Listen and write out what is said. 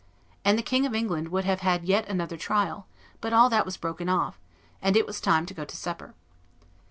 And the King of England would have had yet another trial; but all that was broken off, and it was time to go to supper.